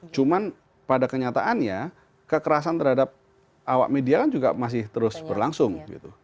cuman pada kenyataannya kekerasan terhadap awak media kan juga masih terus berlangsung gitu